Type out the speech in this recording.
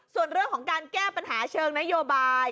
ส่วนเรื่องของการแก้ปัญหาเชิงนโยบาย